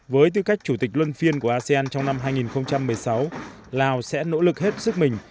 với tư cách chủ tịch luân phiên của asean trong năm hai nghìn một mươi sáu lào sẽ nỗ lực hết sức mình